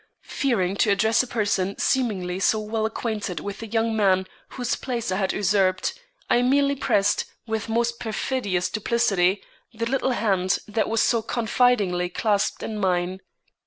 Fearing to address a person seemingly so well acquainted with the young man whose place I had usurped, I merely pressed, with most perfidious duplicity, the little hand that was so confidingly clasped in mine.